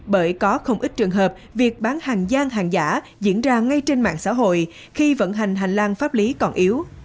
bởi có không ít trường hợp việc bán hàng gian hàng giả diễn ra ngay trên mạng xã hội khi vận hành hành lang pháp lý còn yếu